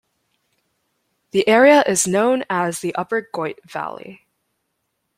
The area is known as the Upper Goyt Valley.